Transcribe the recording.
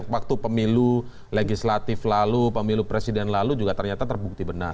waktu pemilu legislatif lalu pemilu presiden lalu juga ternyata terbukti benar